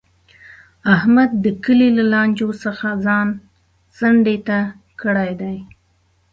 احمد د کلي له لانجو څخه ځان څنډې ته کړی دی.